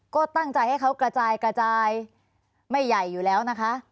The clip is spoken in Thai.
ก็ตั้งใจให้เขากระจายกระจายไม่ใหญ่อยู่แล้วนะคะ